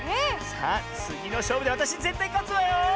さあつぎのしょうぶであたしぜったいかつわよ！